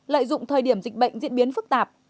lợi dụng thời điểm dịch bệnh diễn biến phức tạp